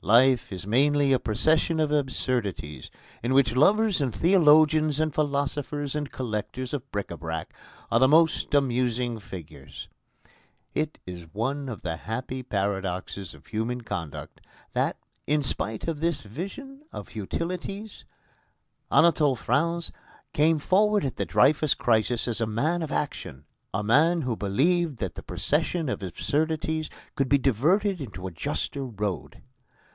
Life is mainly a procession of absurdities in which lovers and theologians and philosophers and collectors of bric à brac are the most amusing figures. It is one of the happy paradoxes of human conduct that, in spite of this vision of futilities, Anatole France came forward at the Dreyfus crisis as a man of action, a man who believed that the procession of absurdities could be diverted into a juster road.